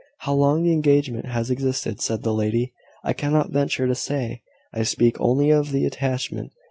"How long the engagement has existed," said the lady, "I cannot venture to say. I speak only of the attachment.